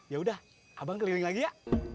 ya udah abang keliling lagi ya